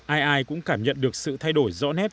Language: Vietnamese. ai ai cũng cảm nhận được sự thay đổi rõ nét